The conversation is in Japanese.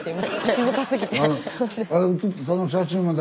静かすぎて。